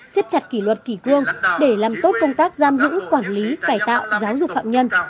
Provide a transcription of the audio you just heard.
siết chặt kỷ luật kỷ quương để làm tốt công tác giam dũng quản lý cải tạo giáo dục phạm nhân